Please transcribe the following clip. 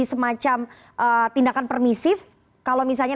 semacam tindakan permisif kalau misalnya